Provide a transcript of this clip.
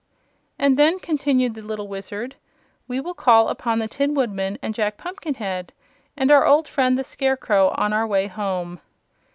"And then," continued the little Wizard, "we will call upon the Tin Woodman and Jack Pumpkinhead and our old friend the Scarecrow, on our way home."